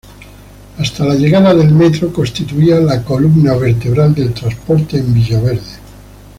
Hasta la llegada del metro constituían la columna vertebral del transporte en Villaverde.